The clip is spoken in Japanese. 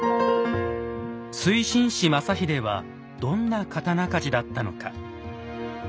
水心子正秀はどんな刀鍛冶だったのか。